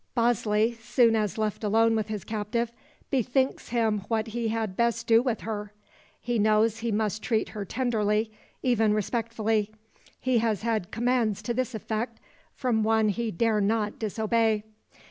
Bosley, soon as left alone with his captive, bethinks him what he had best do with her. He knows he must treat her tenderly, even respectfully. He has had commands to this effect from one he dare not disobey.